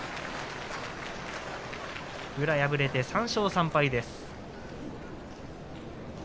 宇良は敗れて３勝３敗です。